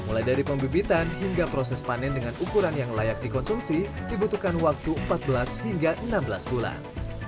mulai dari pembebitan hingga proses panen dengan ukuran yang layak dikonsumsi dibutuhkan waktu empat belas hingga enam belas bulan